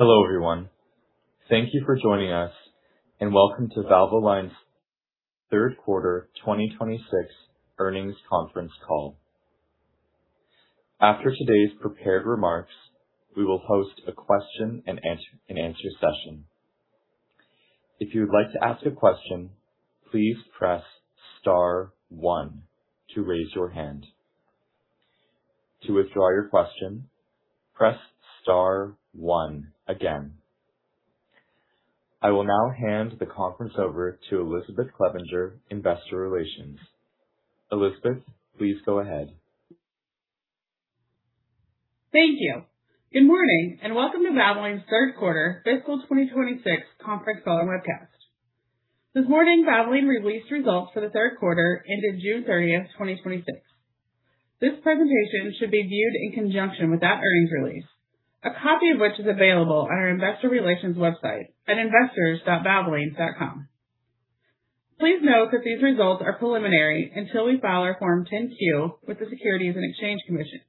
Hello, everyone. Thank you for joining us, welcome to Valvoline's third quarter 2026 earnings conference call. After today's prepared remarks, we will host a question-and-answer session. If you would like to ask a question, please press star one to raise your hand. To withdraw your question, press star one again. I will now hand the conference over to Elizabeth Clevinger, Investor Relations. Elizabeth, please go ahead. Thank you. Good morning, welcome to Valvoline's third quarter fiscal 2026 conference call and webcast. This morning, Valvoline released results for the third quarter ended June 30th, 2026. This presentation should be viewed in conjunction with that earnings release, a copy of which is available on our investor relations website at investors.valvoline.com. Please note that these results are preliminary until we file our Form 10-Q with the Securities and Exchange Commission.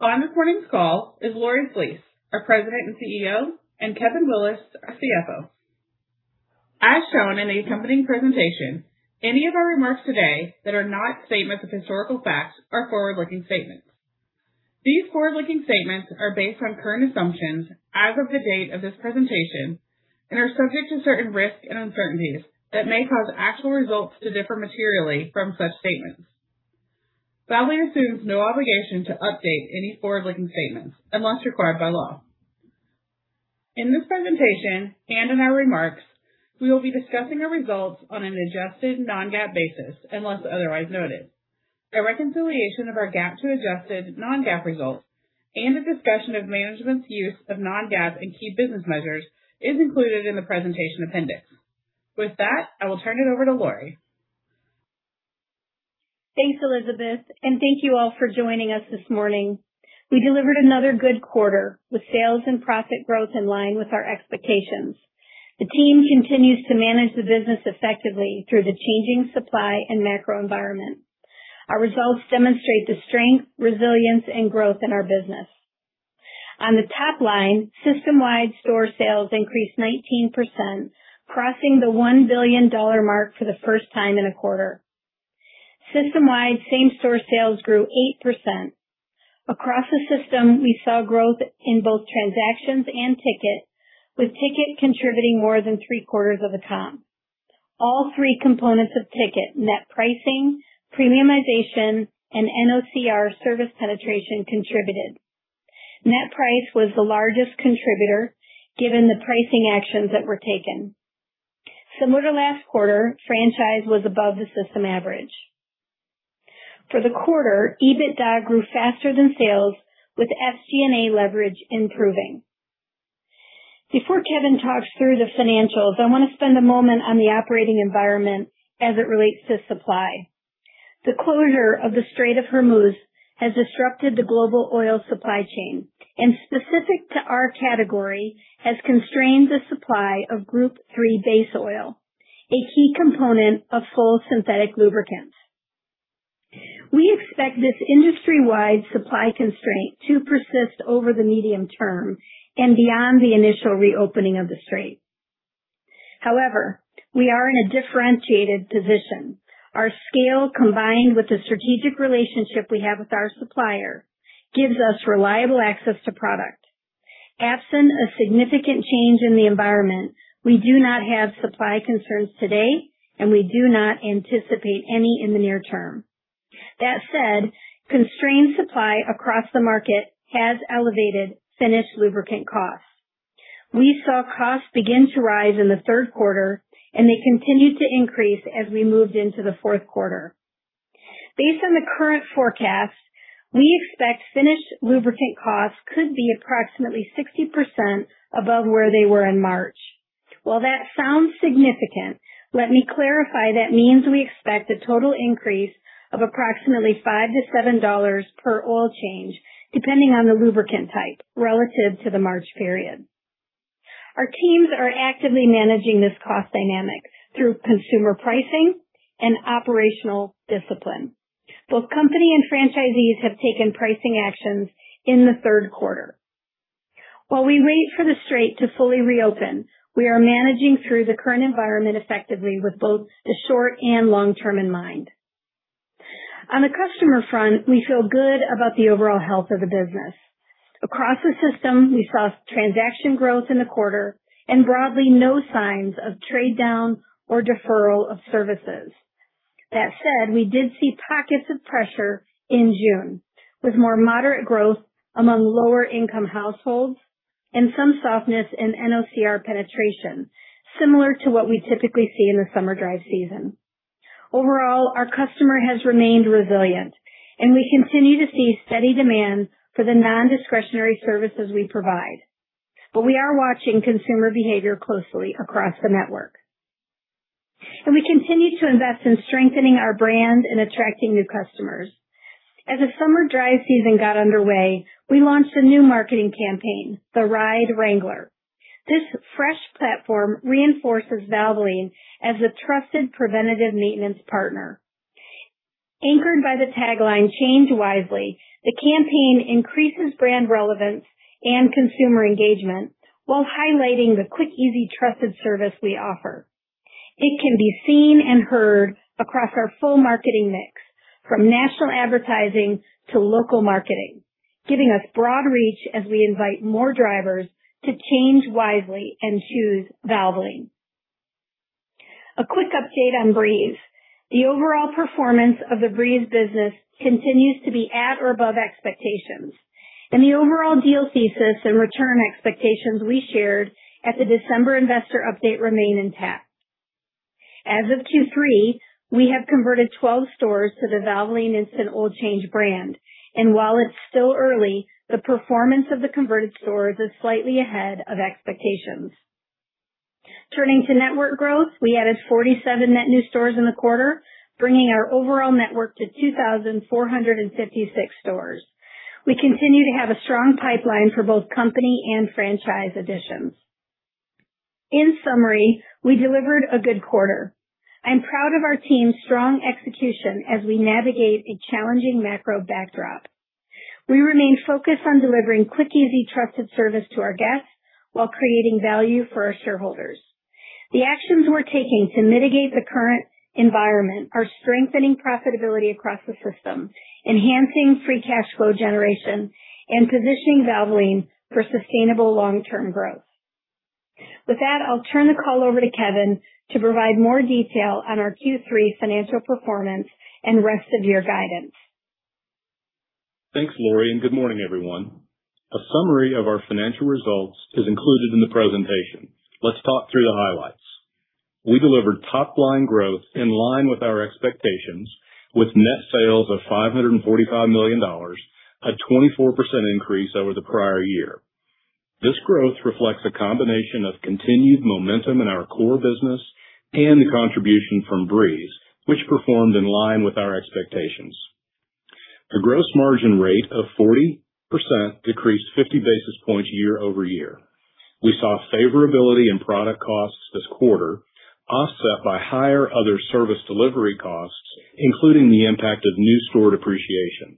On this morning's call is Lori Flees, our President and CEO, Kevin Willis, our CFO. As shown in the accompanying presentation, any of our remarks today that are not statements of historical fact are Forward-Looking statements. These Forward-Looking statements are based on current assumptions as of the date of this presentation and are subject to certain risks and uncertainties that may cause actual results to differ materially from such statements. Valvoline assumes no obligation to update any Forward-Looking statements unless required by law. In this presentation, in our remarks, we will be discussing our results on an adjusted non-GAAP basis unless otherwise noted. A reconciliation of our GAAP to adjusted non-GAAP results, a discussion of management's use of non-GAAP and key business measures is included in the presentation appendix. With that, I will turn it over to Lori. Thanks, Elizabeth, thank you all for joining us this morning. We delivered another good quarter with sales and profit growth in line with our expectations. The team continues to manage the business effectively through the changing supply and macro environment. Our results demonstrate the strength, resilience, and growth in our business. On the top line, system-wide store sales increased 19%, crossing the $1 billion mark for the first time in a quarter. System-wide same-store sales grew 8%. Across the system, we saw growth in both transactions and ticket, with ticket contributing more than three-quarters of the comp. All three components of ticket, net pricing, premiumization, and NOCR service penetration contributed. Net price was the largest contributor, given the pricing actions that were taken. Similar to last quarter, franchise was above the system average. For the quarter, EBITDA grew faster than sales, with SG&A leverage improving. Before Kevin talks through the financials, I want to spend a moment on the operating environment as it relates to supply. The closure of the Strait of Hormuz has disrupted the global oil supply chain and specific to our category, has constrained the supply of Group III base oil, a key component of full synthetic lubricants. We expect this industry-wide supply constraint to persist over the medium term and beyond the initial reopening of the strait. We are in a differentiated position. Our scale, combined with the strategic relationship we have with our supplier, gives us reliable access to product. Absent a significant change in the environment, we do not have supply concerns today, and we do not anticipate any in the near term. That said, constrained supply across the market has elevated finished lubricant costs. We saw costs begin to rise in the third quarter. They continued to increase as we moved into the fourth quarter. Based on the current forecasts, we expect finished lubricant costs could be approximately 60% above where they were in March. While that sounds significant, let me clarify that means we expect a total increase of approximately $5-$7 per oil change, depending on the lubricant type, relative to the March period. Our teams are actively managing this cost dynamic through consumer pricing and operational discipline. Both company and franchisees have taken pricing actions in the third quarter. While we wait for the strait to fully reopen, we are managing through the current environment effectively with both the short and long term in mind. On the customer front, we feel good about the overall health of the business. Across the system, we saw transaction growth in the quarter. Broadly no signs of trade down or deferral of services. That said, we did see pockets of pressure in June, with more moderate growth among lower income households and some softness in NOCR penetration, similar to what we typically see in the summer drive season. Overall, our customer has remained resilient. We continue to see steady demand for the non-discretionary services we provide. We are watching consumer behavior closely across the network. We continue to invest in strengthening our brand and attracting new customers. As the summer drive season got underway, we launched a new marketing campaign, The Ride Wrangler. This fresh platform reinforces Valvoline as a trusted preventative maintenance partner. Anchored by the tagline "Change wisely," the campaign increases brand relevance and consumer engagement while highlighting the quick, easy, trusted service we offer. It can be seen and heard across our full marketing mix, from national advertising to local marketing, giving us broad reach as we invite more drivers to change wisely and choose Valvoline. A quick update on Breeze. The overall performance of the Breeze business continues to be at or above expectations. The overall deal thesis and return expectations we shared at the December investor update remain intact. As of Q3, we have converted 12 stores to the Valvoline Instant Oil Change brand. While it's still early, the performance of the converted stores is slightly ahead of expectations. Turning to network growth, we added 47 net new stores in the quarter, bringing our overall network to 2,456 stores. We continue to have a strong pipeline for both company and franchise additions. In summary, we delivered a good quarter. I'm proud of our team's strong execution as we navigate a challenging macro backdrop. We remain focused on delivering quick, easy, trusted service to our guests while creating value for our shareholders. The actions we're taking to mitigate the current environment are strengthening profitability across the system, enhancing free cash flow generation, and positioning Valvoline for sustainable long-term growth. With that, I'll turn the call over to Kevin to provide more detail on our Q3 financial performance and rest of year guidance. Thanks, Lori, and good morning, everyone. A summary of our financial results is included in the presentation. Let's talk through the highlights. We delivered top-line growth in line with our expectations with net sales of $545 million, a 24% increase over the prior year. This growth reflects a combination of continued momentum in our core business and the contribution from Breeze, which performed in line with our expectations. A gross margin rate of 40% decreased 50 basis points year-over-year. We saw favorability in product costs this quarter offset by higher other service delivery costs, including the impact of new store depreciation.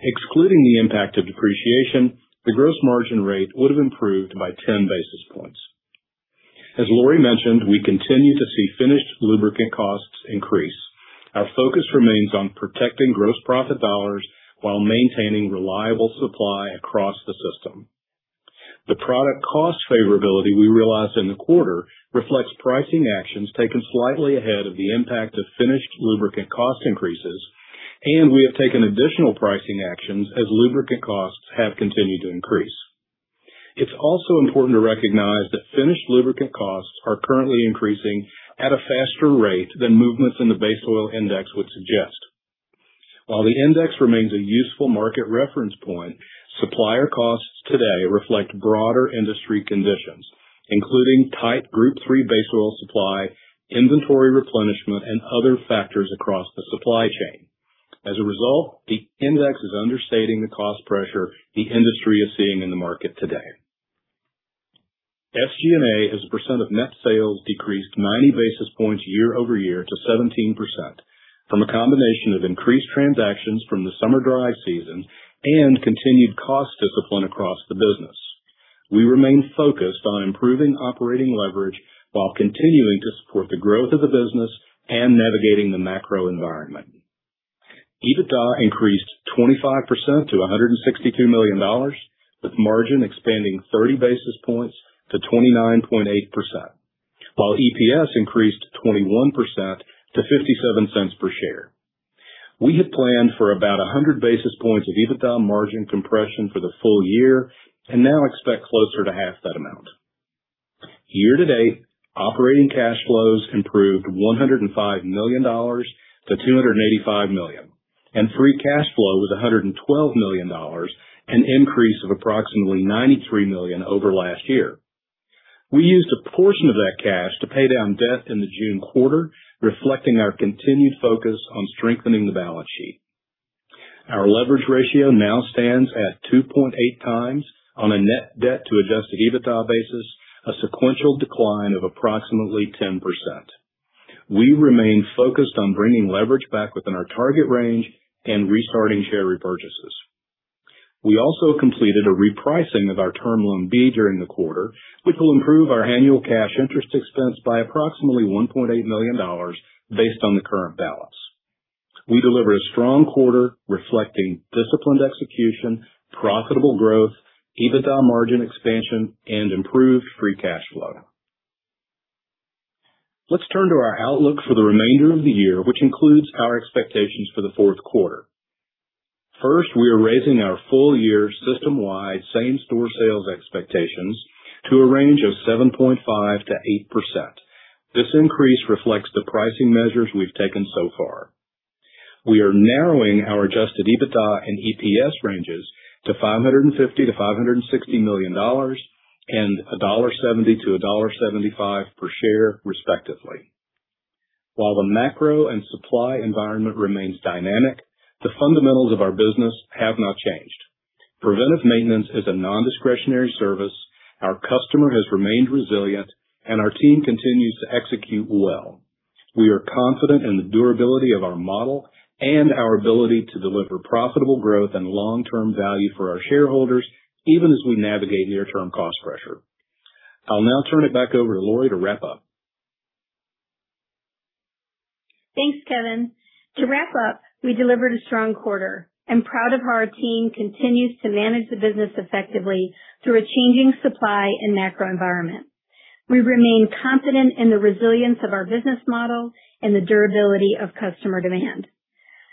Excluding the impact of depreciation, the gross margin rate would have improved by 10 basis points. As Lori mentioned, we continue to see finished lubricant costs increase. Our focus remains on protecting gross profit dollars while maintaining reliable supply across the system. The product cost favorability we realized in the quarter reflects pricing actions taken slightly ahead of the impact of finished lubricant cost increases. We have taken additional pricing actions as lubricant costs have continued to increase. It's also important to recognize that finished lubricant costs are currently increasing at a faster rate than movements in the base oil index would suggest. While the index remains a useful market reference point, supplier costs today reflect broader industry conditions, including tight Group III base oil supply, inventory replenishment, and other factors across the supply chain. As a result, the index is understating the cost pressure the industry is seeing in the market today. SG&A, as a percent of net sales, decreased 90 basis points year-over-year to 17%, from a combination of increased transactions from the summer drive season and continued cost discipline across the business. We remain focused on improving operating leverage while continuing to support the growth of the business and navigating the macro environment. EBITDA increased 25% to $162 million, with margin expanding 30 basis points to 29.8%, while EPS increased 21% to $0.57 per share. We had planned for about 100 basis points of EBITDA margin compression for the full-year and now expect closer to half that amount. Year-to-date, operating cash flows improved $105 million-$285 million, and free cash flow was $112 million, an increase of approximately $93 million over last year. We used a portion of that cash to pay down debt in the June quarter, reflecting our continued focus on strengthening the balance sheet. Our leverage ratio now stands at 2.8 times on a net debt to adjusted EBITDA basis, a sequential decline of approximately 10%. We remain focused on bringing leverage back within our target range and restarting share repurchases. We also completed a repricing of our Term Loan B during the quarter, which will improve our annual cash interest expense by approximately $1.8 million based on the current balance. We delivered a strong quarter reflecting disciplined execution, profitable growth, EBITDA margin expansion, and improved free cash flow. Let's turn to our outlook for the remainder of the year, which includes our expectations for the fourth quarter. First, we are raising our full-year system-wide same-store sales expectations to a range of 7.5%-8%. This increase reflects the pricing measures we've taken so far. We are narrowing our adjusted EBITDA and EPS ranges to $550 million-$560 million and $1.70-$1.75 per share, respectively. While the macro and supply environment remains dynamic, the fundamentals of our business have not changed. Preventive maintenance is a non-discretionary service. Our customer has remained resilient, and our team continues to execute well. We are confident in the durability of our model and our ability to deliver profitable growth and long-term value for our shareholders, even as we navigate near-term cost pressure. I'll now turn it back over to Lori to wrap up. Thanks, Kevin. To wrap up, we delivered a strong quarter. I'm proud of how our team continues to manage the business effectively through a changing supply and macro environment. We remain confident in the resilience of our business model and the durability of customer demand.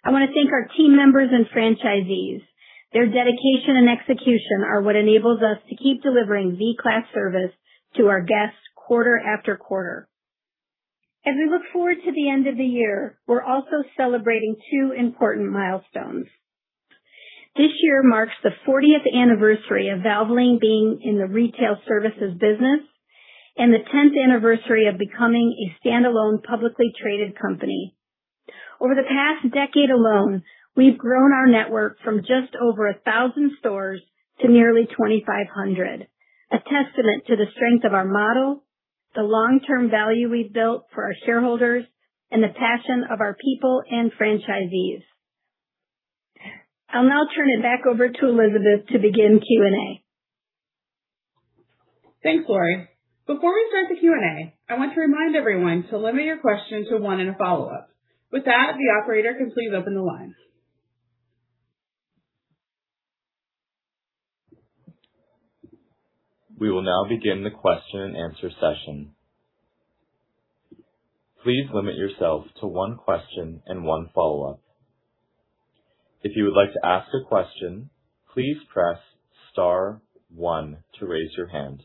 I want to thank our team members and franchisees. Their dedication and execution are what enables us to keep delivering V-class service to our guests quarter after quarter. As we look forward to the end of the year, we're also celebrating two important milestones. This year marks the 40th anniversary of Valvoline being in the retail services business and the 10th anniversary of becoming a standalone, publicly traded company. Over the past decade alone, we've grown our network from just over 1,000 stores to nearly 2,500, a testament to the strength of our model, the long-term value we've built for our shareholders, and the passion of our people and franchisees. I'll now turn it back over to Elizabeth to begin Q&A. Thanks, Lori. Before we start the Q&A, I want to remind everyone to limit your question to one and a follow-up. With that, the operator can please open the line. We will now begin the question-and-answer session. Please limit yourself to one question and one follow-up. If you would like to ask a question, please press star one to raise your hand.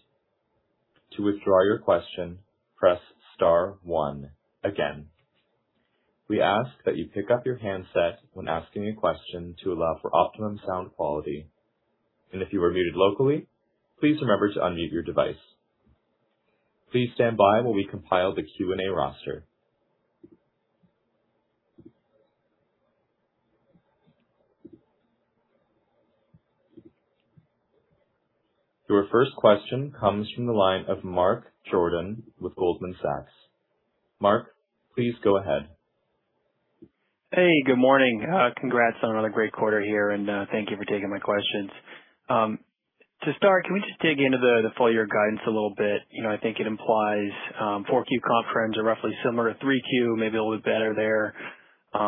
To withdraw your question, press star one again. We ask that you pick up your handset when asking a question to allow for optimum sound quality, and if you are muted locally, please remember to unmute your device. Please stand by while we compile the Q&A roster. Your first question comes from the line of Mark Jordan with Goldman Sachs. Mark, please go ahead. Hey, good morning. Congrats on another great quarter here. Thank you for taking my questions. To start, can we just dig into the full-year guidance a little bit? I think it implies 4Q comp trends are roughly similar to 3Q, maybe a little better there. The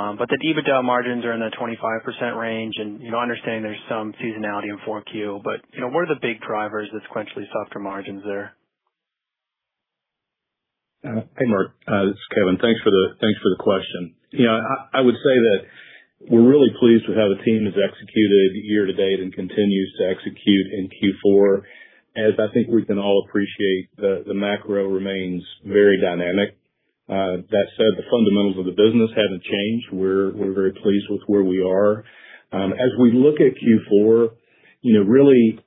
EBITDA margins are in the 25% range. I understand there's some seasonality in 4Q. What are the big drivers of sequentially softer margins there? Hey, Mark. This is Kevin. Thanks for the question. I would say that we're really pleased with how the team has executed year-to-date and continues to execute in Q4. As I think we can all appreciate, the macro remains very dynamic. That said, the fundamentals of the business haven't changed. We're very pleased with where we are. As we look at Q4, really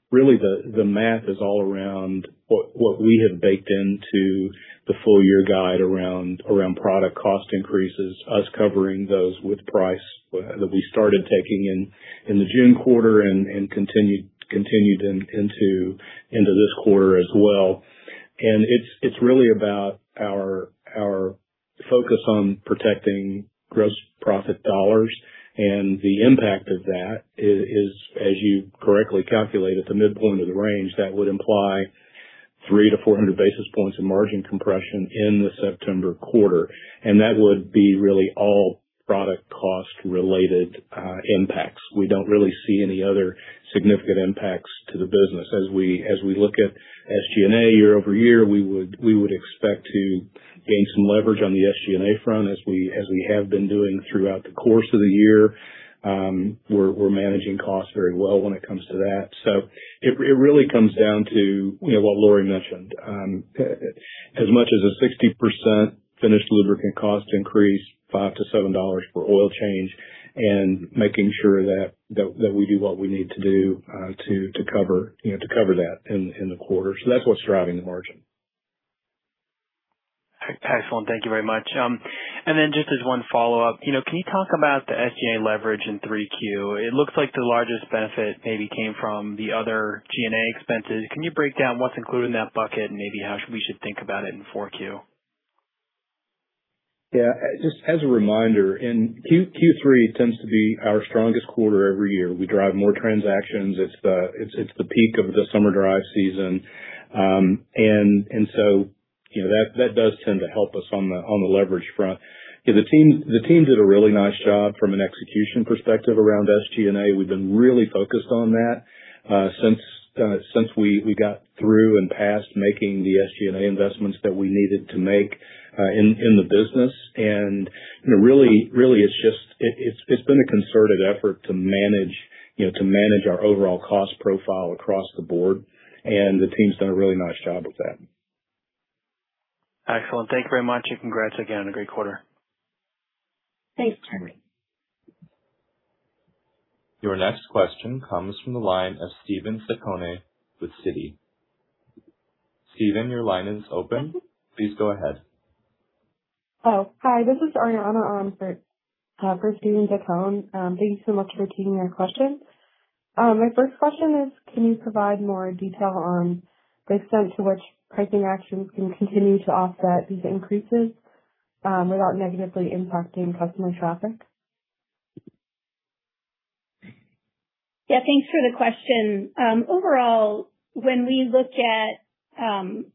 the math is all around what we have baked into the full-year guide around product cost increases, us covering those with price that we started taking in the June quarter and continued into this quarter as well. It's really about our focus on protecting gross profit dollars and the impact of that is, as you correctly calculated, the midpoint of the range, that would imply 300 basis points-400 basis points in margin compression in the September quarter. That would be really all product cost related impacts. We don't really see any other significant impacts to the business. As we look at SG&A year-over-year, we would expect to gain some leverage on the SG&A front as we have been doing throughout the course of the year. We're managing costs very well when it comes to that. It really comes down to what Lori mentioned. As much as a 60% finished lubricant cost increase, $5-$7 for oil change, and making sure that we do what we need to do to cover that in the quarter. That's what's driving the margin. Excellent. Thank you very much. Just as one follow-up, can you talk about the SG&A leverage in 3Q? It looks like the largest benefit maybe came from the other G&A expenses. Can you break down what's included in that bucket and maybe how we should think about it in 4Q? Yeah. Just as a reminder, Q3 tends to be our strongest quarter every year. We drive more transactions. It's the peak of the summer drive season. That does tend to help us on the leverage front. The team did a really nice job from an execution perspective around SG&A. We've been really focused on that since we got through and passed making the SG&A investments that we needed to make in the business. Really it's been a concerted effort to manage our overall cost profile across the board, and the team's done a really nice job with that. Excellent. Thank you very much. Congrats again on a great quarter. Thanks, Mark. Your next question comes from the line of Steven Zaccone with Citi. Steven, your line is open. Please go ahead. Hi. This is Ariana on for Steven Zaccone. Thanks so much for taking our question. My first question is, can you provide more detail on the extent to which pricing actions can continue to offset these increases, without negatively impacting customer traffic? Yeah, thanks for the question. Overall, when we look at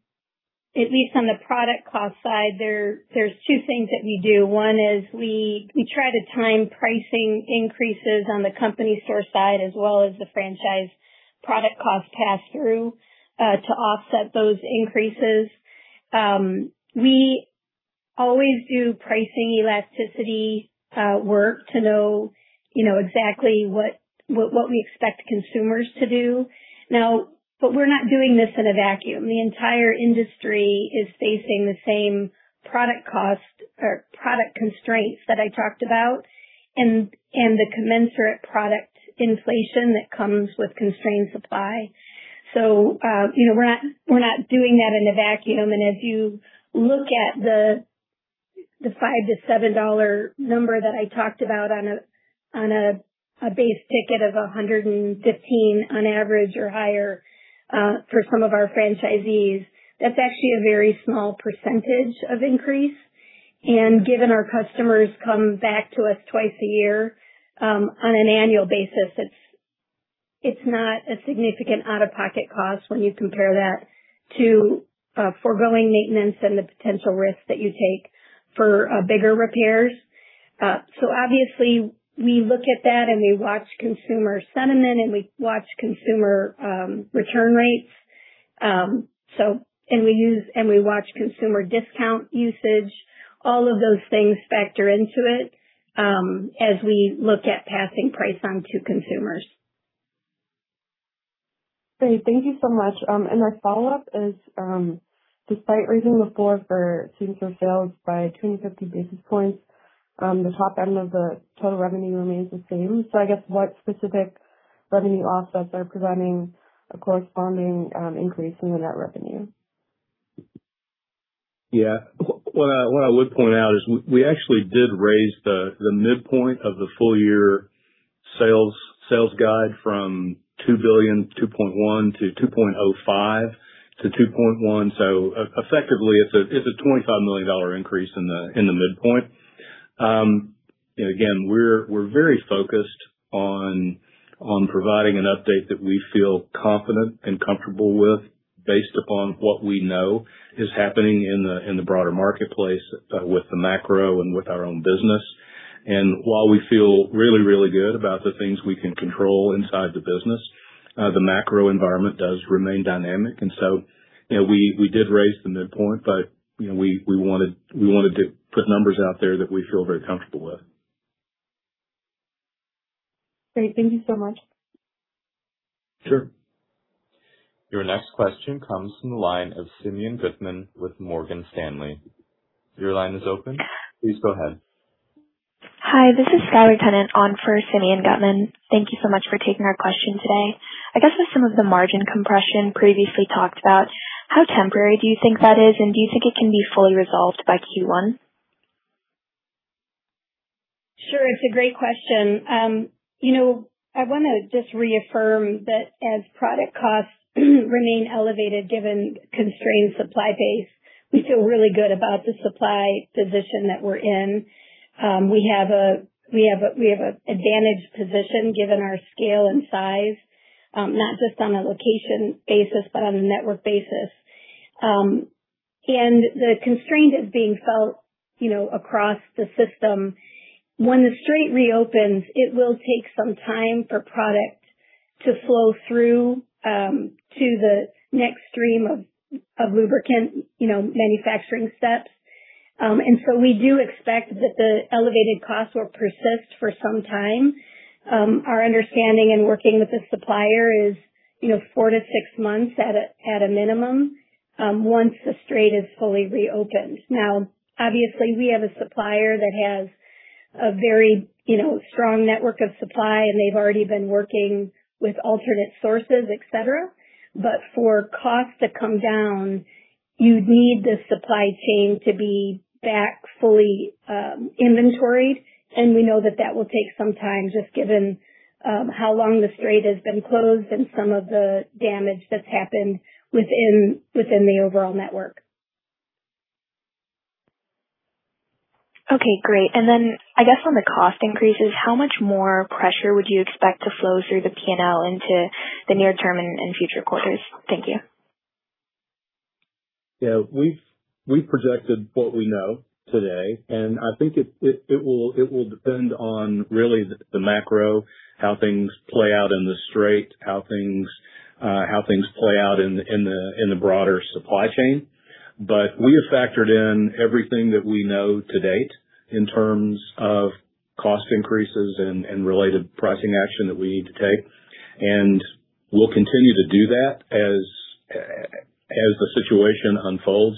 least on the product cost side there's two things that we do. One is we try to time pricing increases on the company store side as well as the franchise product cost pass-through, to offset those increases. We always do pricing elasticity work to know exactly what we expect consumers to do. Now, we're not doing this in a vacuum. The entire industry is facing the same product cost or product constraints that I talked about and the commensurate product inflation that comes with constrained supply. We're not doing that in a vacuum. If you look at the $5-$7 number that I talked about on a base ticket of $115 on average or higher for some of our franchisees, that's actually a very small percentage of increase. Given our customers come back to us twice a year, on an annual basis, it's not a significant out-of-pocket cost when you compare that to foregoing maintenance and the potential risk that you take for bigger repairs. Obviously we look at that and we watch consumer sentiment and we watch consumer return rates. We watch consumer discount usage. All of those things factor into it, as we look at passing price on to consumers. Great. Thank you so much. My follow-up is, despite raising the floor for consumer sales by 20-50 basis points, the top end of the total revenue remains the same. I guess what specific revenue offsets are presenting a corresponding increase in the net revenue? Yeah. What I would point out is we actually did raise the midpoint of the full-year sales guide from $2 billion, $2.1 billion-$2.05 billion-$2.1 billion. Effectively it's a $25 million increase in the midpoint. Again, we're very focused on providing an update that we feel confident and comfortable with based upon what we know is happening in the broader marketplace with the macro and with our own business. While we feel really, really good about the things we can control inside the business, the macro environment does remain dynamic. We did raise the midpoint, but we wanted to put numbers out there that we feel very comfortable with. Great. Thank you so much. Sure. Your next question comes from the line of Simeon Gutman with Morgan Stanley. Your line is open. Please go ahead. Hi, this is Skylar Tennant on for Simeon Gutman. Thank you so much for taking our question today. I guess with some of the margin compression previously talked about, how temporary do you think that is, and do you think it can be fully resolved by Q1? Sure. It's a great question. I want to just reaffirm that as product costs remain elevated given constrained supply base, we feel really good about the supply position that we're in. We have an advantage position given our scale and size, not just on a location basis but on a network basis. The constraint is being felt across the system. When the strait reopens, it will take some time for product to flow through to the next stream of lubricant manufacturing steps. We do expect that the elevated costs will persist for some time. Our understanding in working with the supplier is four to six months at a minimum, once the strait is fully reopened. Obviously, we have a supplier that has a very strong network of supply, and they've already been working with alternate sources, et cetera. For costs to come down, you'd need the supply chain to be back fully inventoried, and we know that will take some time, just given how long the strait has been closed and some of the damage that's happened within the overall network. Okay, great. I guess on the cost increases, how much more pressure would you expect to flow through the P&L into the near term and future quarters? Thank you. Yeah. We've projected what we know today, I think it will depend on really the macro, how things play out in the strait, how things play out in the broader supply chain. We have factored in everything that we know to date in terms of cost increases and related pricing action that we need to take. We'll continue to do that as the situation unfolds.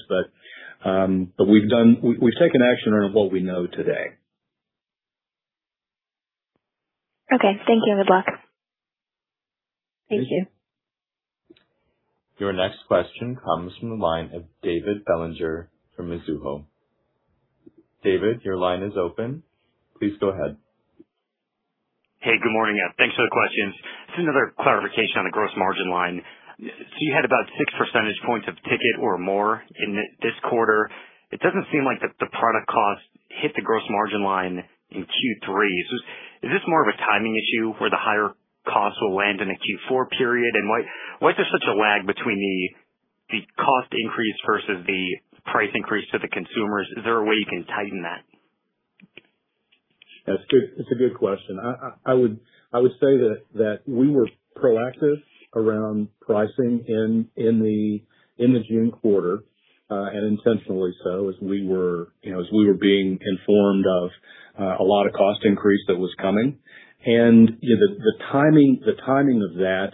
We've taken action on what we know today. Okay. Thank you, good luck. Thank you. Your next question comes from the line of David Bellinger from Mizuho. David, your line is open. Please go ahead. Hey, good morning. Thanks for the questions. Just another clarification on the gross margin line. You had about six percentage points of ticket or more in this quarter. It doesn't seem like the product cost hit the gross margin line in Q3. Is this more of a timing issue where the higher costs will land in the Q4 period? Why is there such a lag between the cost increase versus the price increase to the consumers? Is there a way you can tighten that? That's a good question. I would say that we were proactive around pricing in the June quarter. Intentionally so as we were being informed of a lot of cost increase that was coming. The timing of that,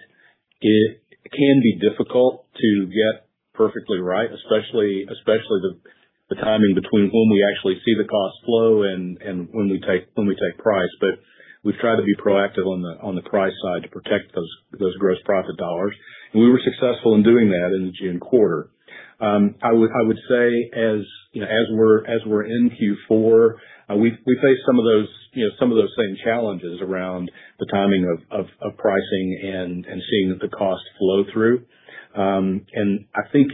it can be difficult to get perfectly right, especially the timing between when we actually see the cost flow and when we take price. We've tried to be proactive on the price side to protect those gross profit dollars. We were successful in doing that in the June quarter. I would say as we're in Q4, we face some of those same challenges around the timing of pricing and seeing the cost flow through. I think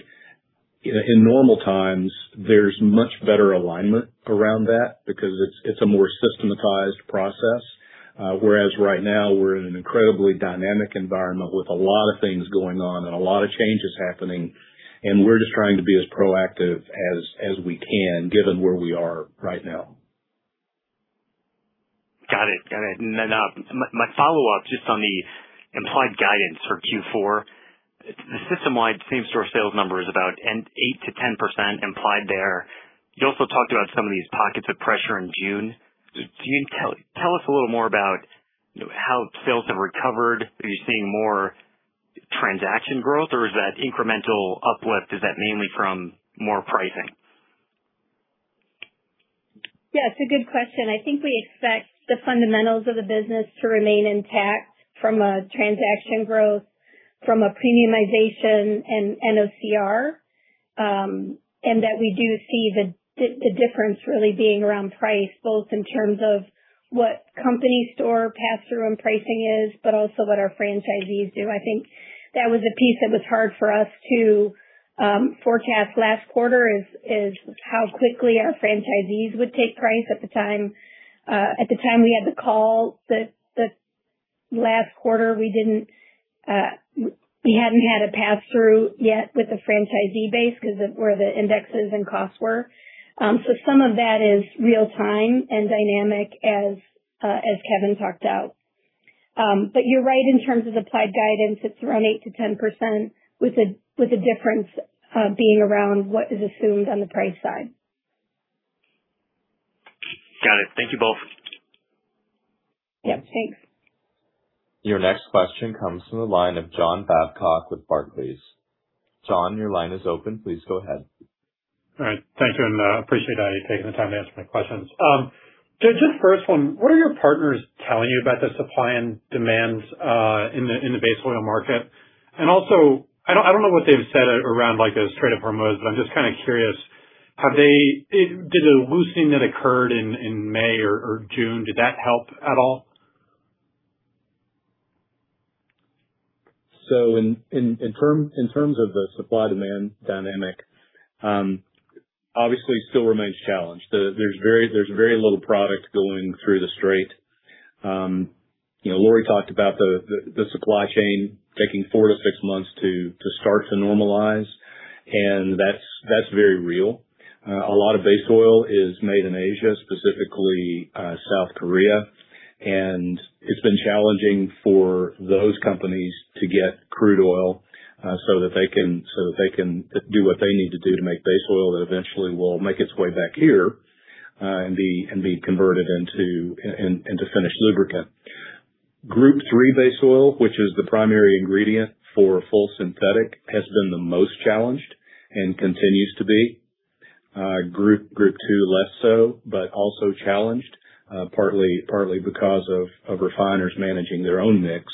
in normal times, there's much better alignment around that because it's a more systematized process. Whereas right now we're in an incredibly dynamic environment with a lot of things going on and a lot of changes happening. We're just trying to be as proactive as we can, given where we are right now. Got it. My follow-up just on the implied guidance for Q4. The system-wide same-store sales number is about 8%-10% implied there. You also talked about some of these pockets of pressure in June. Can you tell us a little more about how sales have recovered? Are you seeing more transaction growth, or is that incremental uplift, is that mainly from more pricing? Yeah, it's a good question. I think we expect the fundamentals of the business to remain intact from a transaction growth, from a premiumization and NOCR, we do see the difference really being around price, both in terms of what company store pass-through and pricing is, but also what our franchisees do. I think that was a piece that was hard for us to forecast last quarter, is how quickly our franchisees would take price. At the time we had the call that last quarter, we hadn't had a pass-through yet with the franchisee base because of where the indexes and costs were. Some of that is real time and dynamic as Kevin talked out. You're right in terms of implied guidance. It's around 8%-10% with the difference being around what is assumed on the price side. Got it. Thank you both. Yeah. Thanks. Your next question comes from the line of John Babcock with Barclays. John, your line is open. Please go ahead. All right. Thank you, and appreciate you taking the time to answer my questions. Just first one, what are your partners telling you about the supply and demands in the base oil market? Also, I don't know what they've said around the Strait of Hormuz, but I'm just curious, did the loosening that occurred in May or June, did that help at all? In terms of the supply demand dynamic, obviously still remains challenged. There's very little product going through the strait. Lori talked about the supply chain taking four to six months to start to normalize, and that's very real. A lot of base oil is made in Asia, specifically South Korea, and it's been challenging for those companies to get crude oil so that they can do what they need to do to make base oil that eventually will make its way back here and be converted into finished lubricant. Group III base oil, which is the primary ingredient for full synthetic, has been the most challenged and continues to be. Group II less so, but also challenged, partly because of refiners managing their own mix.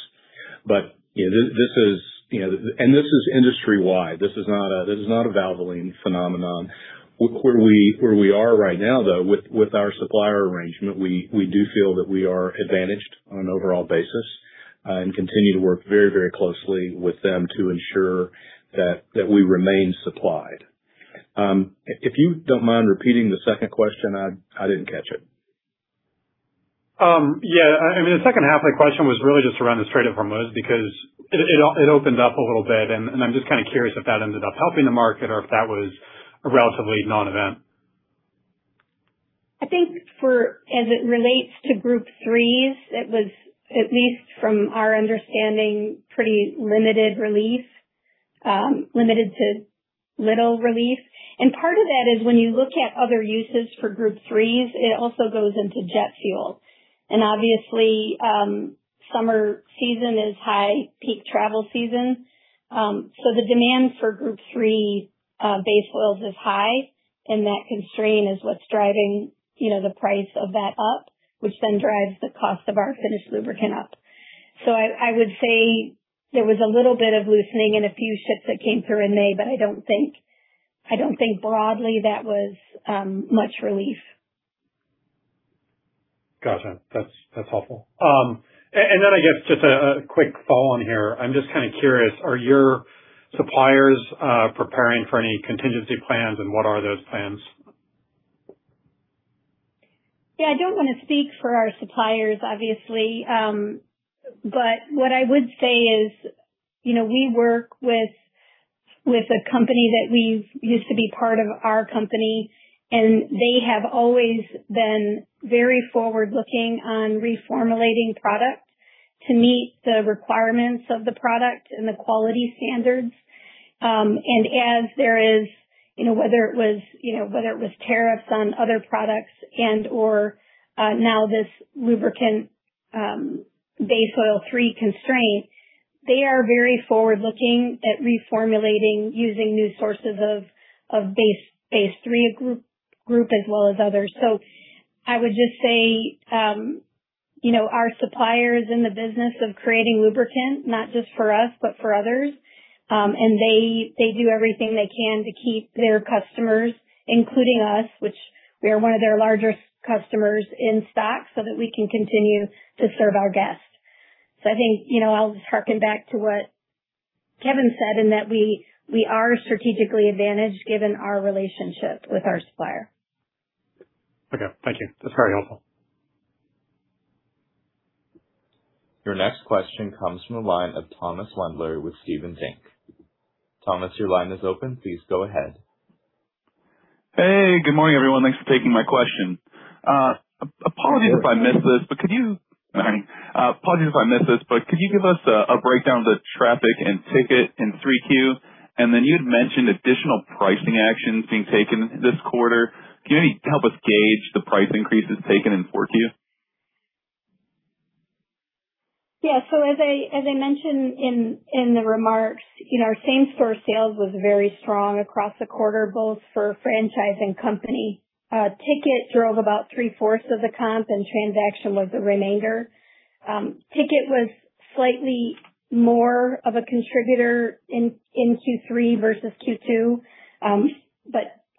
This is industry-wide. This is not a Valvoline phenomenon. Where we are right now, though, with our supplier arrangement, we do feel that we are advantaged on an overall basis and continue to work very closely with them to ensure that we remain supplied. If you don't mind repeating the second question, I didn't catch it. Yeah. The second half of my question was really just around the Strait of Hormuz, because it opened up a little bit and I'm just curious if that ended up helping the market or if that was a relatively non-event. I think as it relates to Group IIIs, it was, at least from our understanding, pretty limited relief, limited to little relief. Part of that is when you look at other uses for Group IIIs, it also goes into jet fuel. Summer season is high peak travel season. The demand for Group III base oils is high, and that constraint is what's driving the price of that up, which then drives the cost of our finished lubricant up. I would say there was a little bit of loosening in a few ships that came through in May, I don't think broadly that was much relief. Gotcha. That's helpful. Then I guess just a quick follow-on here. I'm just kind of curious, are your suppliers preparing for any contingency plans, and what are those plans? Yeah, I don't want to speak for our suppliers, obviously. What I would say is we work with a company that we've used to be part of our company, they have always been very Forward-Looking on reformulating product to meet the requirements of the product and the quality standards. Whether it was tariffs on other products and/or now this lubricant Group III base oil constraint, they are very Forward-Looking at reformulating using new sources of Group III base oil as well as others. I would just say our supplier is in the business of creating lubricant not just for us, but for others. They do everything they can to keep their customers, including us, which we are one of their largest customers, in stock so that we can continue to serve our guests. I think I'll just harken back to what Kevin said in that we are strategically advantaged given our relationship with our supplier. Okay. Thank you. That's very helpful. Your next question comes from the line of Thomas Wendler with Stephens. Thomas, your line is open. Please go ahead. Hey, good morning, everyone. Thanks for taking my question. Apologies if I missed this, but could you give us a breakdown of the traffic and ticket in 3Q? Then you'd mentioned additional pricing actions being taken this quarter. Can you help us gauge the price increases taken in 4Q? As I mentioned in the remarks, our same-store sales was very strong across the quarter, both for franchise and company. Ticket drove about 3/4 of the comp, and transaction was the remainder. Ticket was slightly more of a contributor in Q3 versus Q2.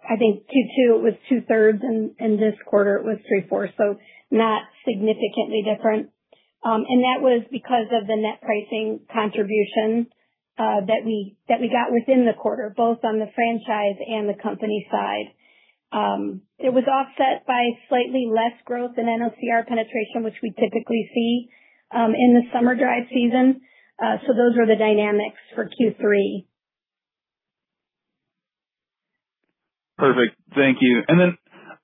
I think Q2 it was 2/3, and this quarter it was 3/4. Not significantly different. That was because of the net pricing contribution that we got within the quarter, both on the franchise and the company side. It was offset by slightly less growth in NOCR penetration, which we typically see in the summer drive season. Those are the dynamics for Q3. Perfect. Thank you. Then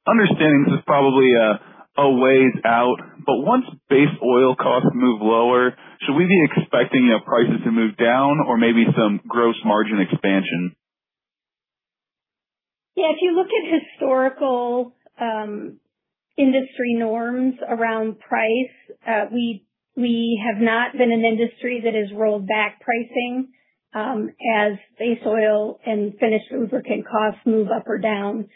understanding this is probably a ways out, but once base oil costs move lower, should we be expecting prices to move down or maybe some gross margin expansion? If you look at historical industry norms around price, we have not been an industry that has rolled back pricing as base oil and finished lubricant costs move up or down.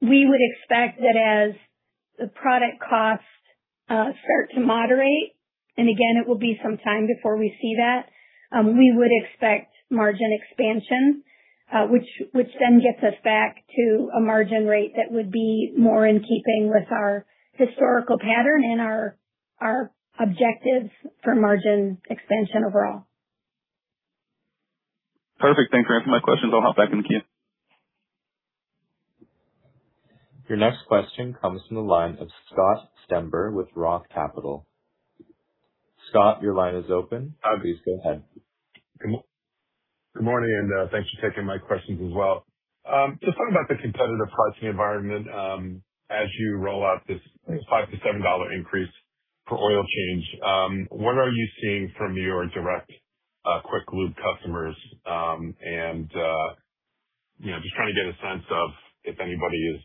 We would expect that as the product costs start to moderate, and again, it will be some time before we see that, we would expect margin expansion which then gets us back to a margin rate that would be more in keeping with our historical pattern and our objectives for margin expansion overall. Perfect. Thanks for answering my questions. I'll hop back in the queue. Your next question comes from the line of Scott Stember with Roth Capital. Scott, your line is open. Please go ahead. Good morning. Thanks for taking my questions as well. Just talking about the competitive pricing environment, as you roll out this $5-$7 increase for oil change, what are you seeing from your direct Quick Lube customers? Just trying to get a sense of if anybody is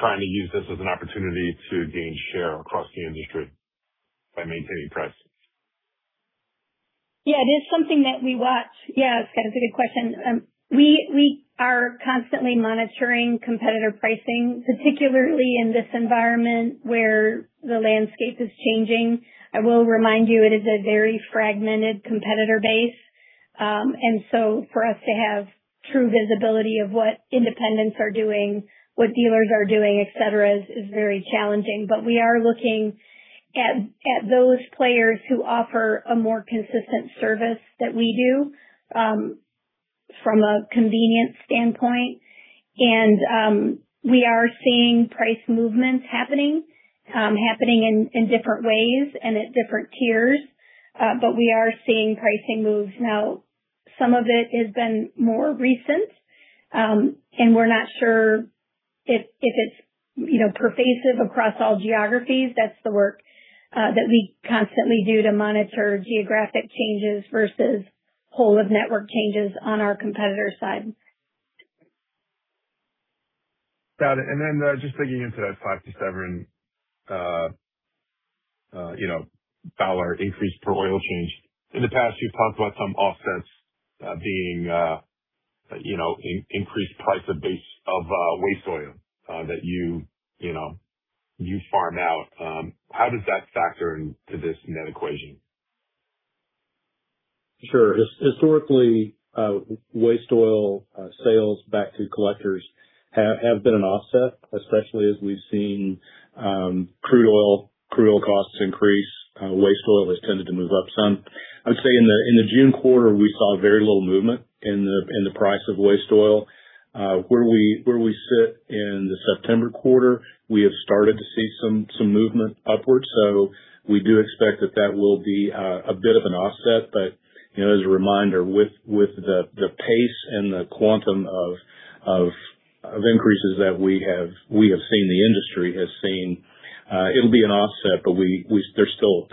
trying to use this as an opportunity to gain share across the industry by maintaining price. It is something that we watch. Yeah, Scott, it's a good question. We are constantly monitoring competitor pricing, particularly in this environment where the landscape is changing. I will remind you, it is a very fragmented competitor base. For us to have true visibility of what independents are doing, what dealers are doing, et cetera, is very challenging. We are looking at those players who offer a more consistent service that we do from a convenience standpoint. We are seeing price movements happening in different ways and at different tiers. We are seeing pricing moves now. Some of it has been more recent, and we're not sure if it's pervasive across all geographies. That's the work that we constantly do to monitor geographic changes versus whole of network changes on our competitor side. Got it. Just digging into that $5.7 increase per oil change. In the past, you've talked about some offsets being increased price of waste oil that you farm out. How does that factor into this net equation? Sure. Historically, waste oil sales back to collectors have been an offset, especially as we've seen crude oil costs increase, waste oil has tended to move up some. I'd say in the June quarter, we saw very little movement in the price of waste oil. Where we sit in the September quarter, we have started to see some movement upwards, so we do expect that that will be a bit of an offset. As a reminder, with the pace and the quantum of increases that we have seen, the industry has seen, it will be an offset, but there's still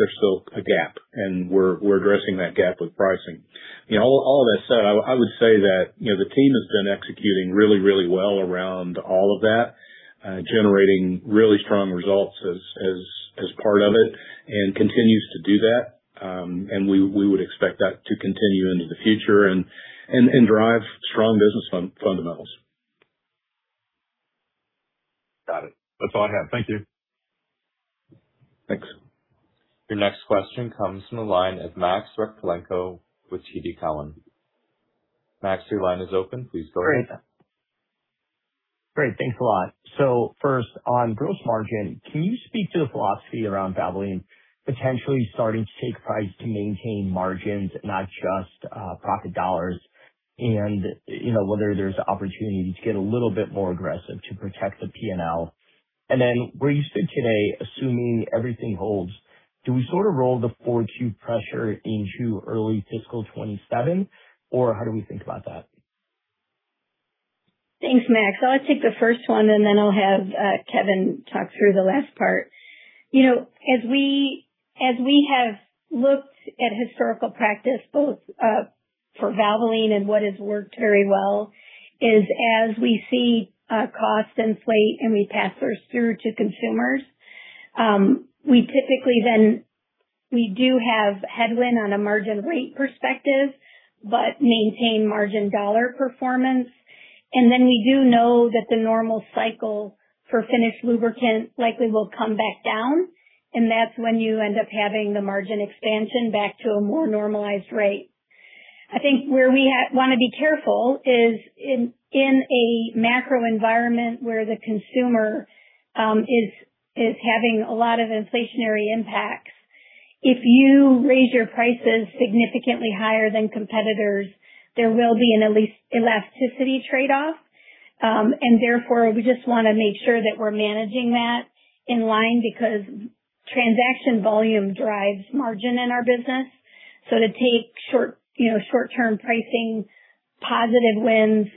a gap, and we're addressing that gap with pricing. All that said, I would say that the team has been executing really well around all of that, generating really strong results as part of it, and continues to do that. We would expect that to continue into the future and drive strong business fundamentals. Got it. That's all I have. Thank you. Thanks. Your next question comes from the line of Max Rakhlenko with TD Cowen. Max, your line is open. Please go ahead. Great. Thanks a lot. First, on gross margin, can you speak to the philosophy around Valvoline potentially starting to take price to maintain margins, not just profit dollars? And whether there's an opportunity to get a little bit more aggressive to protect the P&L. Then where you sit today, assuming everything holds, do we sort of roll the 4Q pressure into early fiscal 2027, or how do we think about that? Thanks, Max. I'll take the first one, then I'll have Kevin talk through the last part. As we have looked at historical practice, both for Valvoline and what has worked very well is as we see costs inflate and we pass those through to consumers, we do have headwind on a margin rate perspective but maintain margin dollar performance. We do know that the normal cycle for finished lubricants likely will come back down, and that's when you end up having the margin expansion back to a more normalized rate. I think where we want to be careful is in a macro environment where the consumer is having a lot of inflationary impacts. If you raise your prices significantly higher than competitors, there will be an elasticity trade-off. Therefore, we just want to make sure that we're managing that in line because transaction volume drives margin in our business. To take short-term pricing positive wins,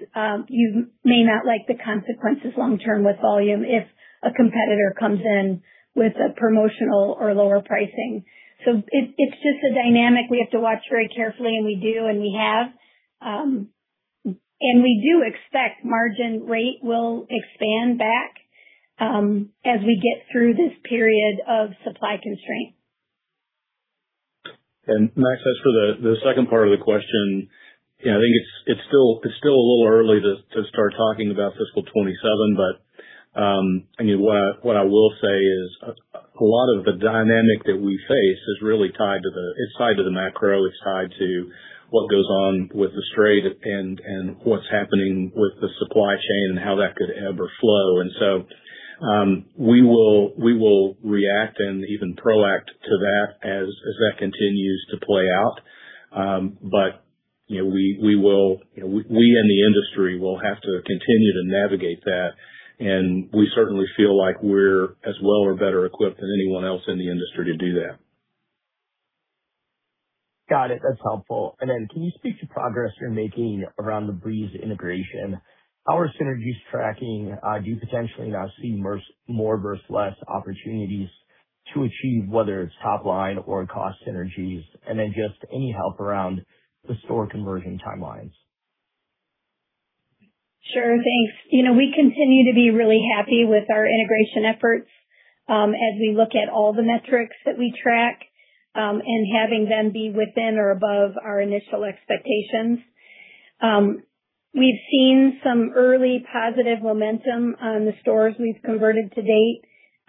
you may not like the consequences long term with volume if a competitor comes in with a promotional or lower pricing. It's just a dynamic we have to watch very carefully, and we do, and we have. We do expect margin rate will expand back as we get through this period of supply constraint. Max, as for the second part of the question, I think it's still a little early to start talking about fiscal 2027. What I will say is a lot of the dynamic that we face is tied to the macro. It's tied to what goes on with the straight and what's happening with the supply chain and how that could ebb or flow. We will react and even proact to that as that continues to play out. We and the industry will have to continue to navigate that, and we certainly feel like we're as well or better equipped as anyone else in the industry to do that. Got it. That's helpful. Can you speak to progress you're making around the Breeze integration? How are synergies tracking? Do you potentially now see more versus less opportunities to achieve, whether it's top-line or cost synergies? Just any help around the store conversion timelines. Sure. Thanks. We continue to be really happy with our integration efforts as we look at all the metrics that we track and having them be within or above our initial expectations. We've seen some early positive momentum on the stores we've converted to date.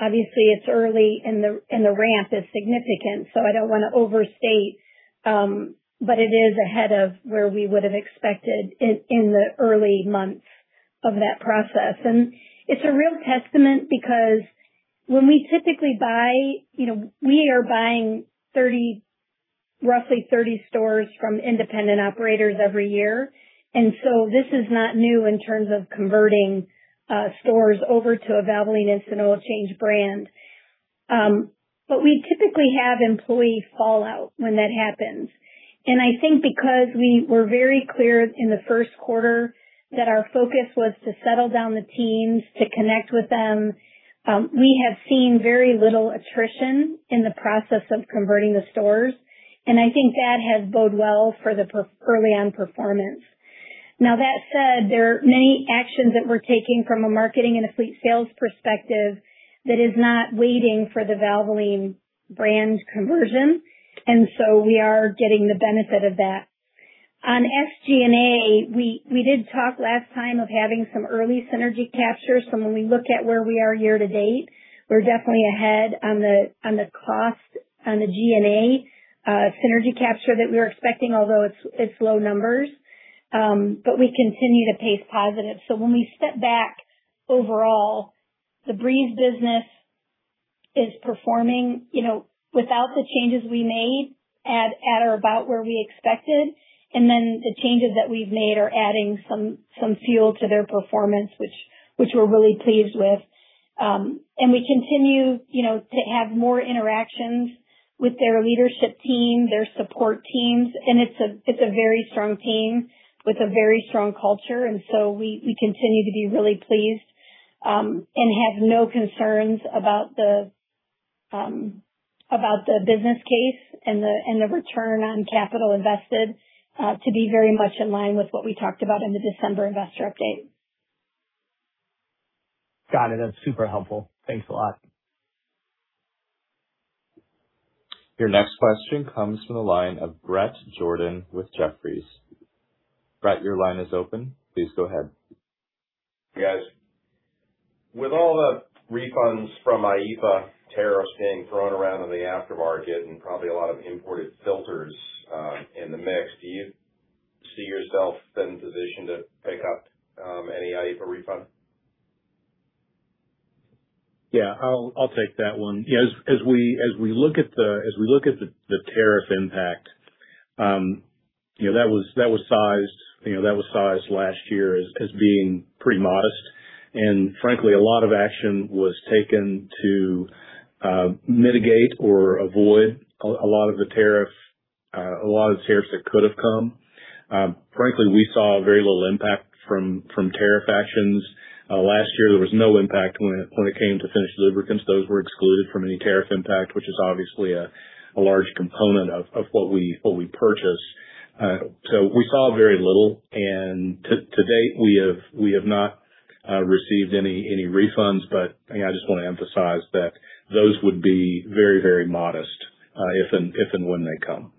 Obviously, it's early and the ramp is significant, so I don't want to overstate, but it is ahead of where we would have expected in the early months of that process. It's a real testament because when we typically buy, we are buying roughly 30 stores from independent operators every year. This is not new in terms of converting stores over to a Valvoline Instant Oil Change brand. We typically have employee fallout when that happens. I think because we were very clear in the first quarter that our focus was to settle down the teams, to connect with them, we have seen very little attrition in the process of converting the stores, and I think that has bode well for the early-on performance. Now that said, there are many actions that we're taking from a marketing and a fleet sales perspective that is not waiting for the Valvoline brand conversion. We are getting the benefit of that. On SG&A, we did talk last time of having some early synergy capture. When we look at where we are year to date, we're definitely ahead on the cost on the G&A synergy capture that we were expecting, although it's low numbers, but we continue to pace positive. When we step back, overall, the Breeze business is performing without the changes we made at or about where we expected, and then the changes that we've made are adding some fuel to their performance, which we're really pleased with. We continue to have more interactions with their leadership team, their support teams, and it's a very strong team with a very strong culture, and so we continue to be really pleased, and have no concerns about the business case and the return on capital invested to be very much in line with what we talked about in the December investor update. Got it. That's super helpful. Thanks a lot. Your next question comes from the line of Bret Jordan with Jefferies. Bret, your line is open. Please go ahead. Hey, guys. With all the refunds from IEEPA tariffs being thrown around in the aftermarket and probably a lot of imported filters in the mix, do you see yourself then positioned to pick up any IEEPA refund? Yeah, I'll take that one. As we look at the tariff impact, that was sized last year as being pretty modest. Frankly, a lot of action was taken to mitigate or avoid a lot of the tariffs that could have come. Frankly, we saw very little impact from tariff actions. Last year, there was no impact when it came to finished lubricants. Those were excluded from any tariff impact, which is obviously a large component of what we purchase. We saw very little, and to date we have not received any refunds, but I just want to emphasize that those would be very modest, if and when they come.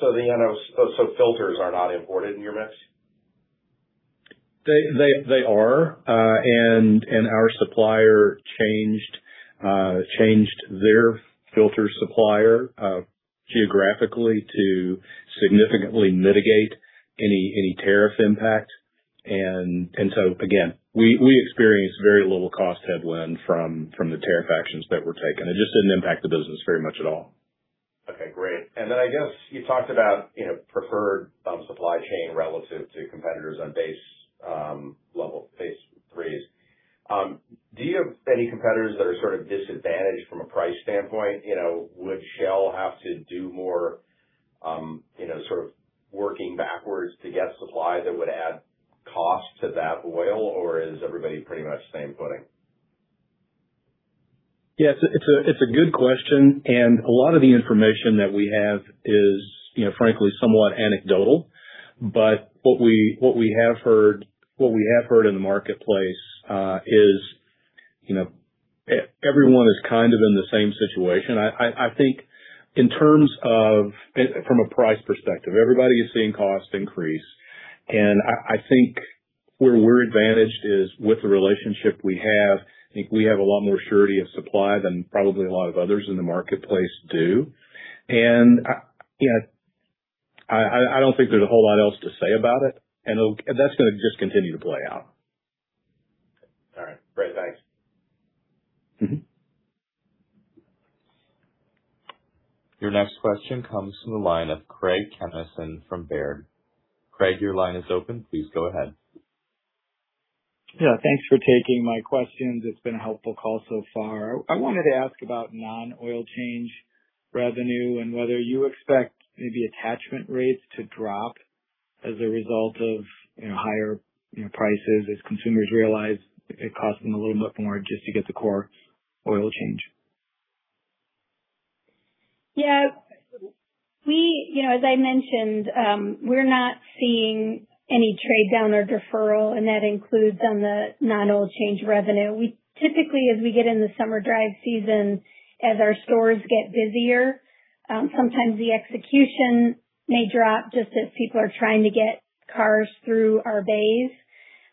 Filters are not imported in your mix? They are, our supplier changed their filter supplier geographically to significantly mitigate any tariff impact. Again, we experienced very little cost headwind from the tariff actions that were taken. It just didn't impact the business very much at all. Okay, great. I guess you talked about preferred supply chain relative to competitors on base level Group III. Do you have any competitors that are sort of disadvantaged from a price standpoint? Would Shell have to do more sort of working backwards to get supply that would add cost to that oil, or is everybody pretty much same footing? It's a good question, a lot of the information that we have is frankly somewhat anecdotal, but what we have heard in the marketplace, is everyone is kind of in the same situation. I think in terms of from a price perspective, everybody is seeing cost increase, I think where we're advantaged is with the relationship we have, I think we have a lot more surety of supply than probably a lot of others in the marketplace do. I don't think there's a whole lot else to say about it. That's going to just continue to play out. All right. Great. Thanks. Your next question comes from the line of Craig Kennison from Baird. Craig, your line is open. Please go ahead. Yeah, thanks for taking my questions. It's been a helpful call so far. I wanted to ask about non-oil change revenue and whether you expect maybe attachment rates to drop as a result of higher prices as consumers realize it costs them a little bit more just to get the core oil change. Yeah. As I mentioned, we're not seeing any trade down or deferral. That includes on the non-oil change revenue. We typically, as we get in the summer drive season, as our stores get busier, sometimes the execution may drop just as people are trying to get cars through our bays.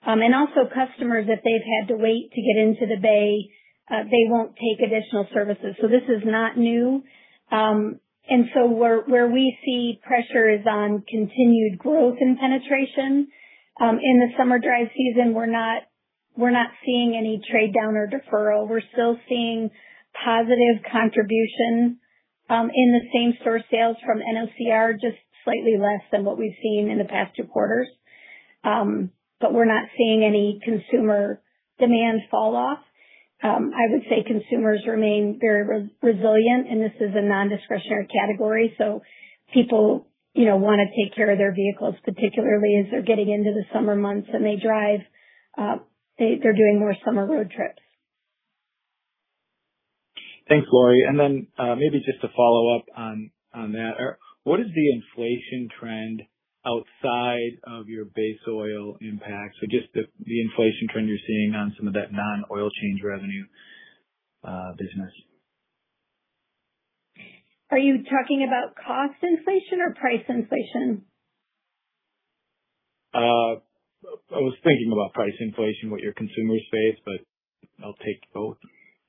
Also, customers, if they've had to wait to get into the bay, they won't take additional services. This is not new. Where we see pressure is on continued growth and penetration. In the summer dry season, we're not seeing any trade down or deferral. We're still seeing positive contribution in the same store sales from NOCR, just slightly less than what we've seen in the past two quarters. We're not seeing any consumer demand fall off. I would say consumers remain very resilient. This is a non-discretionary category. People want to take care of their vehicles, particularly as they're getting into the summer months and they drive. They're doing more summer road trips. Thanks, Lori. Maybe just to follow-up on that. What is the inflation trend outside of your base oil impact? Just the inflation trend you're seeing on some of that non-oil change revenue business. Are you talking about cost inflation or price inflation? I was thinking about price inflation, what your consumers face, I'll take both.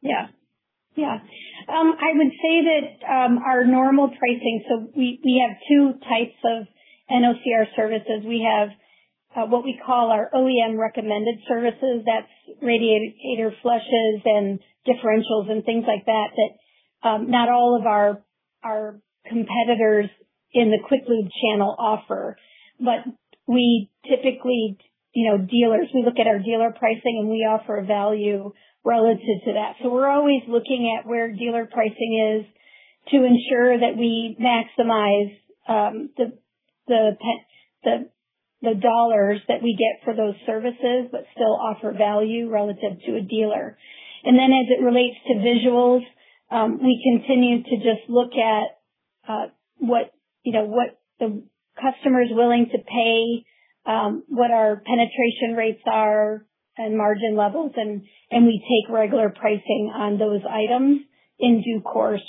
Yeah. I would say that our normal pricing. We have two types of NOCR services. We have what we call our OEM recommended services. That's radiator flushes and differentials and things like that that not all of our competitors in the quick lube channel offer. We typically, dealers, we look at our dealer pricing, and we offer a value relative to that. We're always looking at where dealer pricing is to ensure that we maximize the dollars that we get for those services but still offer value relative to a dealer. As it relates to visuals, we continue to just look at what the customer's willing to pay, what our penetration rates are and margin levels, and we take regular pricing on those items in due course.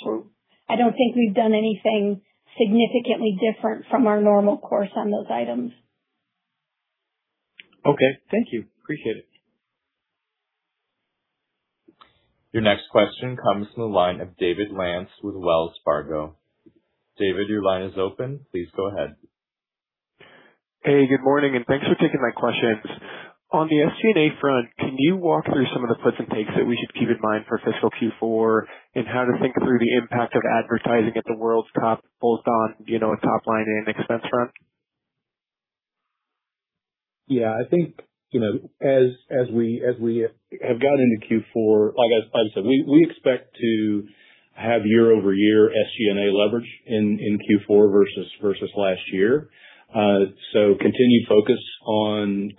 I don't think we've done anything significantly different from our normal course on those items. Okay. Thank you. Appreciate it. Your next question comes from the line of David Lantz with Wells Fargo. David, your line is open. Please go ahead. Hey, good morning, and thanks for taking my questions. On the SG&A front, can you walk through some of the puts and takes that we should keep in mind for fiscal Q4 and how to think through the impact of advertising at the world's top both on top line and expense front? Yeah, I think, as we have gone into Q4, like I said, we expect to have year-over-year SG&A leverage in Q4 versus last year. Continued focus on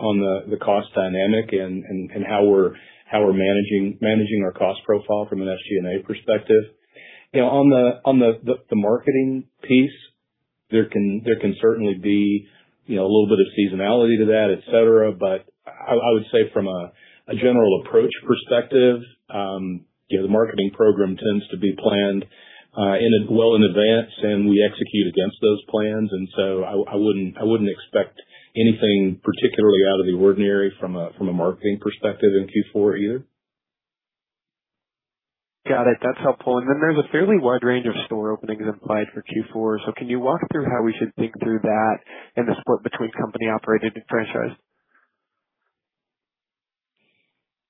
the cost dynamic and how we're managing our cost profile from an SG&A perspective. On the marketing piece, there can certainly be a little bit of seasonality to that, et cetera. I would say from a general approach perspective, the marketing program tends to be planned well in advance, and we execute against those plans. I wouldn't expect anything particularly out of the ordinary from a marketing perspective in Q4 either. Got it. That's helpful. There's a fairly wide range of store openings implied for Q4. Can you walk through how we should think through that and the split between company operated and franchise?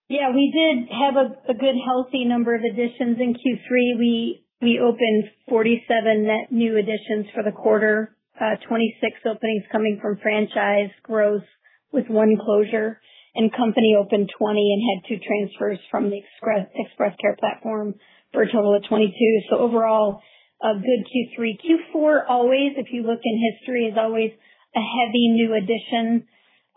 Yeah, we did have a good, healthy number of additions in Q3. We opened 47 net new additions for the quarter. 26 openings coming from franchise growth with one closure, and company opened 20 and had two transfers from the Express Care platform for a total of 22. Overall, a good Q3. Q4, always, if you look in history, is always a heavy new addition.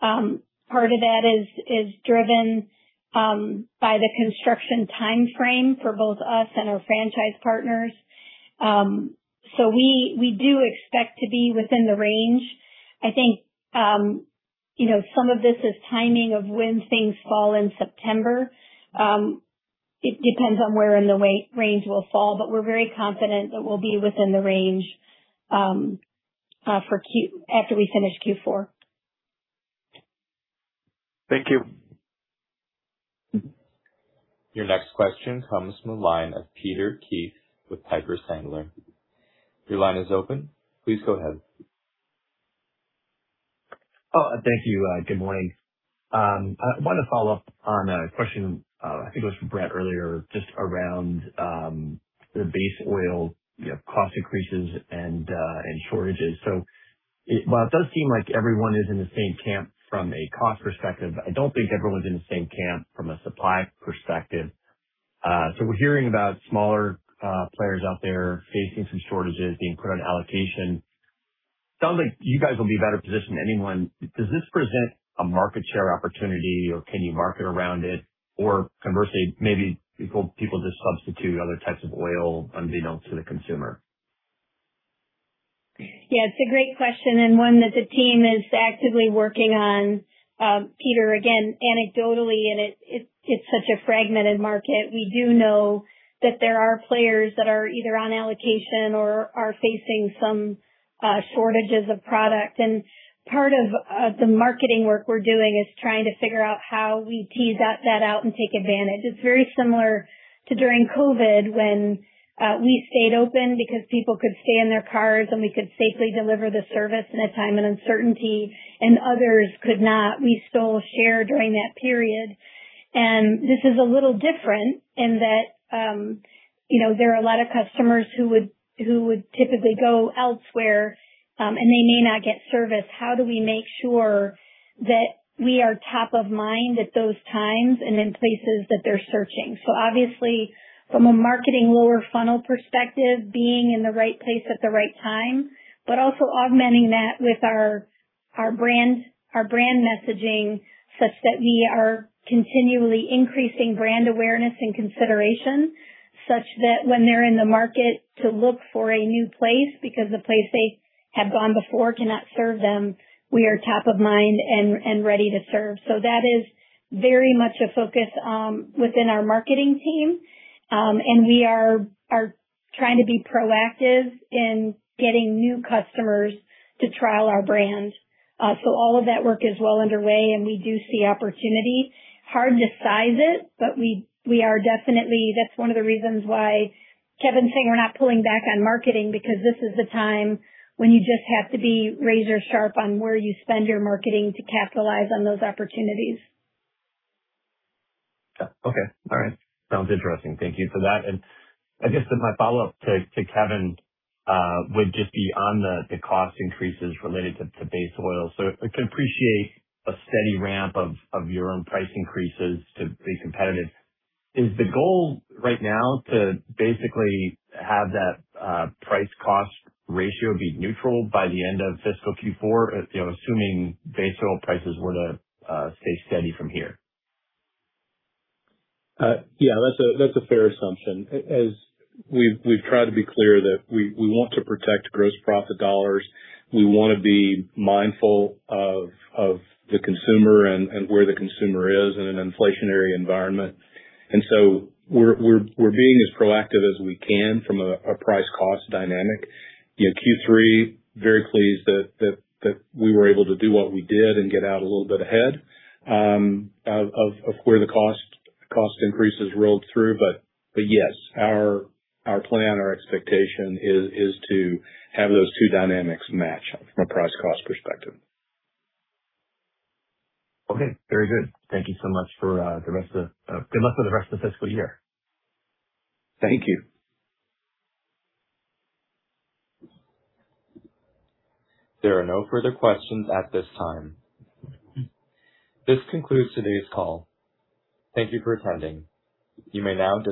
Part of that is driven by the construction timeframe for both us and our franchise partners. We do expect to be within the range. I think some of this is timing of when things fall in September. It depends on where in the range we'll fall, but we're very confident that we'll be within the range after we finish Q4. Thank you. Your next question comes from the line of Peter Keith with Piper Sandler. Your line is open. Please go ahead. Thank you. Good morning. I want to follow-up on a question. I think it was from Bret earlier, just around the base oil cost increases and shortages. While it does seem like everyone is in the same camp from a cost perspective, I don't think everyone's in the same camp from a supply perspective. We're hearing about smaller players out there facing some shortages, being put on allocation. Sounds like you guys will be better positioned than anyone. Does this present a market share opportunity or can you market around it? Conversely, maybe people just substitute other types of oil unbeknownst to the consumer. Yeah, it's a great question and one that the team is actively working on. Peter, again, anecdotally, it's such a fragmented market, we do know that there are players that are either on allocation or are facing some shortages of product. Part of the marketing work we're doing is trying to figure out how we tease that out and take advantage. It's very similar to during COVID when we stayed open because people could stay in their cars, and we could safely deliver the service in a time of uncertainty, and others could not. We stole share during that period. This is a little different in that there are a lot of customers who would typically go elsewhere, and they may not get service. How do we make sure that we are top of mind at those times and in places that they're searching? Obviously, from a marketing lower funnel perspective, being in the right place at the right time, but also augmenting that with our brand messaging such that we are continually increasing brand awareness and consideration such that when they're in the market to look for a new place because the place they have gone before cannot serve them, we are top of mind and ready to serve. That is very much a focus within our marketing team. We are trying to be proactive in getting new customers to trial our brand. All of that work is well underway, and we do see opportunity. Hard to size it, that's one of the reasons why Kevin's saying we're not pulling back on marketing because this is the time when you just have to be razor sharp on where you spend your marketing to capitalize on those opportunities. Yeah. Okay. All right. Sounds interesting. Thank you for that. I guess my follow-up to Kevin would just be on the cost increases related to base oil. I can appreciate a steady ramp of your own price increases to be competitive. Is the goal right now to basically have that price cost ratio be neutral by the end of fiscal Q4, assuming base oil prices were to stay steady from here? Yeah. That's a fair assumption. As we've tried to be clear that we want to protect gross profit dollars. We want to be mindful of the consumer and where the consumer is in an inflationary environment. We're being as proactive as we can from a price cost dynamic. Q3, very pleased that we were able to do what we did and get out a little bit ahead of where the cost increases rolled through. Yes, our plan, our expectation is to have those two dynamics match from a price cost perspective. Okay. Very good. Thank you so much. Good luck with the rest of the fiscal year. Thank you. There are no further questions at this time. This concludes today's call. Thank you for attending. You may now disconnect.